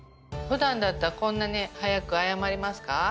ふだんだったらこんなに早く謝りますか？